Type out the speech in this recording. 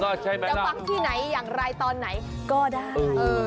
เราใช่ประมาณนั้นฟังทางหน่อยอย่างไรถ้าตอนไหนก็ได้